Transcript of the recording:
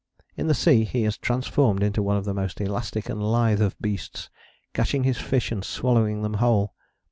In the sea he is transformed into one of the most elastic and lithe of beasts, catching his fish and swallowing them whole.